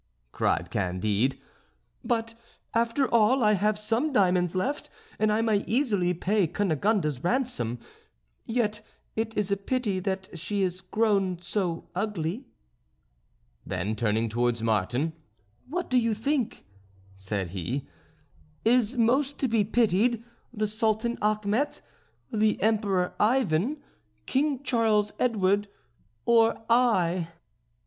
cried Candide. "But after all, I have some diamonds left; and I may easily pay Cunegonde's ransom. Yet it is a pity that she is grown so ugly." Then, turning towards Martin: "Who do you think," said he, "is most to be pitied the Sultan Achmet, the Emperor Ivan, King Charles Edward, or I?"